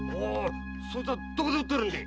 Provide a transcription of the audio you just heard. そいつはどこで売ってんでい？